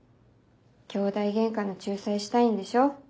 きょうだいゲンカの仲裁したいんでしょ？